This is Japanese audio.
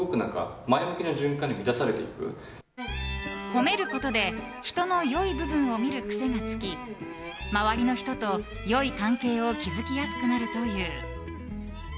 褒めることで人の良い部分を見る癖がつき周りの人と良い関係を築きやすくなるという。